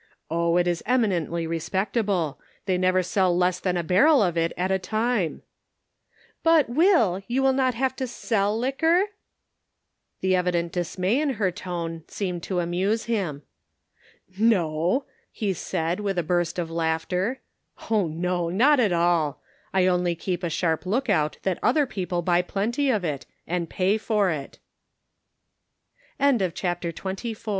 Oh. it is eminently respectable. They never sell less than a barrel of it at a time I "" But, Will, you will not have to sell liquor ?" The evident dismay in her tone seemed to amuse him :" No," he said, with a burst of laughter ;" oh, no, not at all ; I only keep a sharp look out that other people buy plenty of it, an